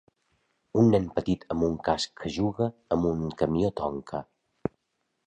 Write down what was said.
Un nen petit amb un casc que juga amb un camió Tonka